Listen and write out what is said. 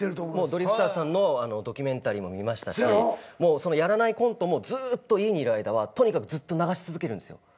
ドリフターズさんのドキュメンタリーも見ましたしやらないコントもずっと家にいる間はとにかくずっと流し続けるんですよ。